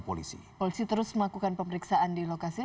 polisi terus melakukan pemeriksaan di lokasi